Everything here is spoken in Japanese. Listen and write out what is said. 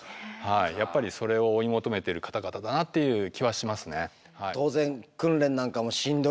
やっぱりそれを追い求めてる方々だなっていう気はしますね。